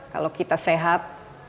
kalau kita sehat